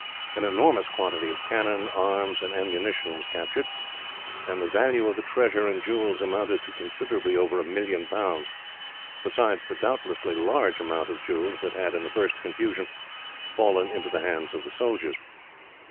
An enormous quantity of cannon, arms, and ammunition was captured, and the value of the treasure and jewels amounted to considerably over a million pounds, besides the doubtless large amount of jewels that had, in the first confusion, fallen into the hands of the soldiers.